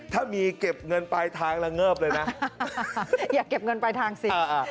ถ้ามีเก็บเงินปลายทางระเงิบเลยนะอย่าเก็บเงินปลายทางสิ